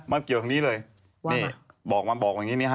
ไม่เกี่ยวกับทางนี้เลย